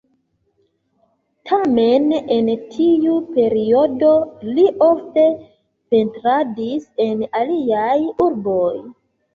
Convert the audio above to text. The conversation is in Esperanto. Tamen en tiu periodo li ofte pentradis en aliaj urboj.